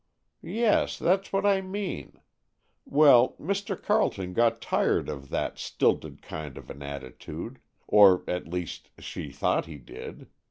"Yes, that's what I mean. Well, Mr. Carleton got tired of that stilted kind of an attitude,—or, at least, she thought he did.